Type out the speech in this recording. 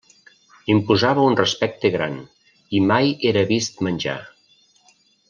Imposava un respecte gran, i mai era vist menjar.